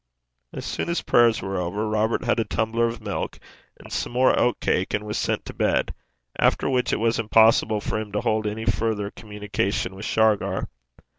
As soon as prayers were over, Robert had a tumbler of milk and some more oat cake, and was sent to bed; after which it was impossible for him to hold any further communication with Shargar.